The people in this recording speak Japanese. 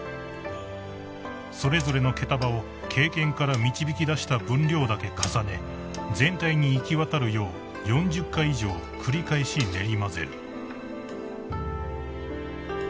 ［それぞれの毛束を経験から導き出した分量だけ重ね全体に行き渡るよう４０回以上繰り返し練り混ぜる］